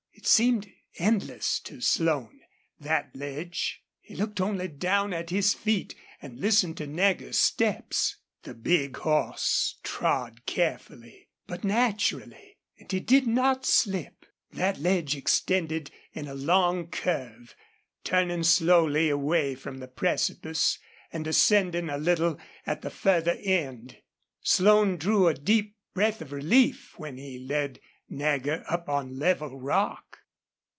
It seemed endless to Slone, that ledge. He looked only down at his feet and listened to Nagger's steps. The big horse trod carefully, but naturally, and he did not slip. That ledge extended in a long curve, turning slowly away from the precipice, and ascending a little at the further end. Slone, drew a deep breath of relief when he led Nagger up on level rock.